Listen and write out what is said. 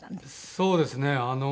そうですね。